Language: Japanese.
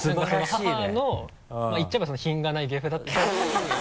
母の言っちゃえば品がない芸風だったり。